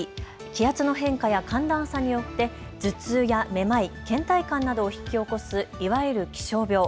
気圧の変化や寒暖差によって頭痛やめまい、けん怠感などを引き起こすいわゆる気象病。